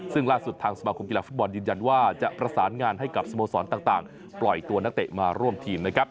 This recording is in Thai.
ซึ่งล่าสุดทางสมาคมกีฬาฟุตบอลยืนยันว่าจะประสานงานให้กับสโมสรต่างปล่อยตัวนักเตะมาร่วมทีมนะครับ